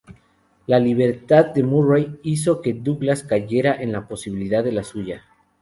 La libertad de Murray hizo que Douglass creyera en la posibilidad de la suya.